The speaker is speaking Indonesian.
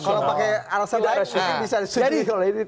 kalau pakai alasan alasan yang bisa sendiri kalau ini tidak